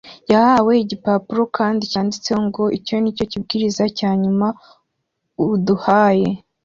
yahawe agapapuro kanditsweho ngo icyo ni cyo kibwiriza cya nyuma uduhaye